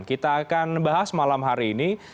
kita akan bahas malam hari ini